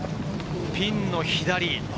ピンの左。